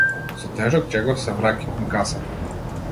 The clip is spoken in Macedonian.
Со тежок чекор се враќа кон касата.